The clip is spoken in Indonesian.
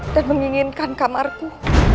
dan menginginkan kamarku